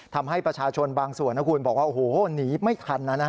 ทำให้ประชาชนบางส่วนนะคุณบอกว่าโอ้โหหนีไม่ทันนะ